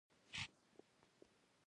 جنرالانو له سړې وضع څخه مایوس شول.